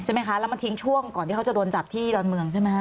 ไหมคะแล้วมันทิ้งช่วงก่อนที่เขาจะโดนจับที่ดอนเมืองใช่ไหมคะ